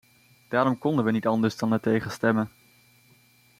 Daarom konden we niet anders dan ertegen stemmen.